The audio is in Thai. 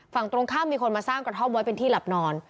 ฝั่งตรงข้ามมีคนมาสร้างกระท่อมไว้เป็นที่หลับนอน